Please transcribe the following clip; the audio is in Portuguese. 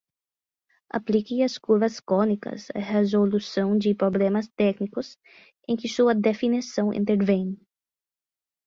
Aplique as curvas cônicas à resolução de problemas técnicos em que sua definição intervém.